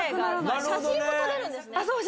写真も撮れるんですね。